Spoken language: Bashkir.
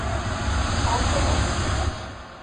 Аҙ ғына